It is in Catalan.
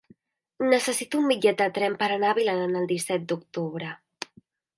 Necessito un bitllet de tren per anar a Vilanant el disset d'octubre.